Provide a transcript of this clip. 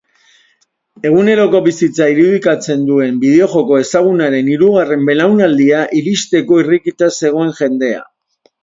Eguneroko bizitza irudikatzen duen bideojoko ezagunaren hirugarren belaunaldia iristeko irrikaz zegoen jendea.